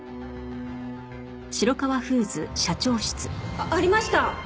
あっありました！